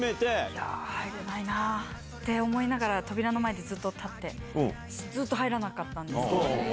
いやぁ、入れないなあって思いながら、ずっと扉の前で立って、ずっと入らなかったんですけど。